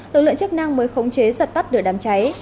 lực lượng chức năng mới khống chế dập tắt được đám cháy